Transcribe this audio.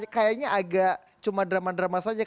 kayaknya agak cuma drama drama saja